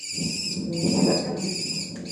On dut la calmer.